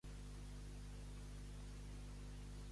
A més, demana acabar amb la monarquia espanyola.